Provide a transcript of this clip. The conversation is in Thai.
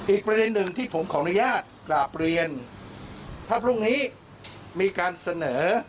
อีกประเด็นหนึ่งที่ผมขออนุญาตกราบเรียนถ้าพรุ่งนี้มีการเสนอ